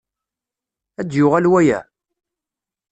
Ad d-yuɣal waya?